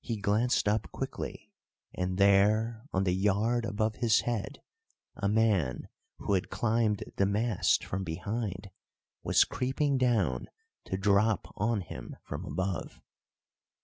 He glanced up quickly, and there, on the yard above his head, a man, who had climbed the mast from behind, was creeping down to drop on him from above.